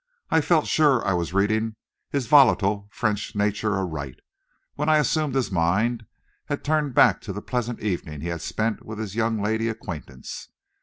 I felt sure I was reading his volatile French nature aright, when I assumed his mind had turned back to the pleasant evening he had spent with his young lady acquaintance.